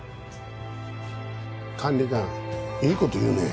管理官いい事言うねえ。